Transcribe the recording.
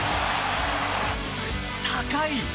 高い！